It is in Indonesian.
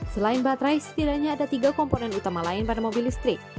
selain baterai setidaknya ada tiga komponen utama lain pada mobil listrik